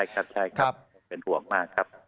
ใช่ครับเป็นห่วงมากครับ